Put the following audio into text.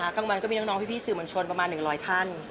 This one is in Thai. กลางวันก็มีน้องพี่สื่อมวลชนประมาณ๑๐๐ท่าน